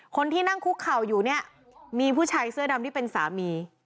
คนที่นั่งคุกเข่าอยู่เนี่ยมีผู้ชายเสื้อดำที่เป็นสามี